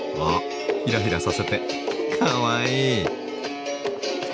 ヒラヒラさせてかわいい。